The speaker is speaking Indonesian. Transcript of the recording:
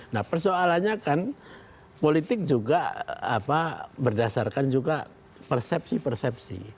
nah persoalannya kan politik juga berdasarkan juga persepsi persepsi